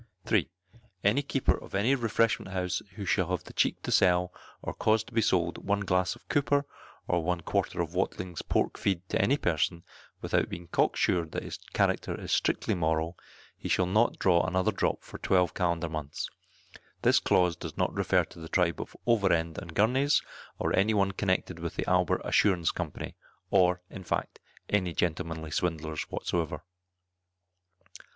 3. Any keeper of any refreshment house who shall have the cheek to sell, or cause to be sold, one glass of cooper, or one quarter of Watling's pork feed to any person, without being cock sure that his character is strictly moral, he shall not draw another drop for 12 calendar months. This clause does not refer to the tribe of Overend and Gurney's, or any one connected with the Albert Assurance Company, or, in fact, any gentlemanly swindlers whatever.